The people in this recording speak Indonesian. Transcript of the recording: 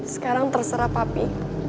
sekarang terserah papi